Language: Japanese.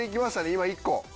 今１個。